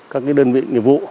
các đơn vị nhiệm vụ